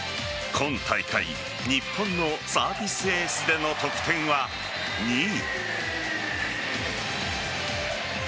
今大会日本のサービスエースでの得点は２位。